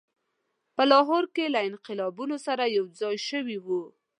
په لاهور کې له انقلابیونو سره یوځای شوی وو.